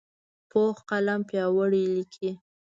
پوخ قلم پیاوړی لیکي